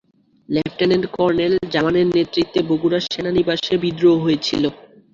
Lieutenant colonel জামানের নেতৃত্বে বগুড়া সেনানিবাসে বিদ্রোহ হয়েছিল।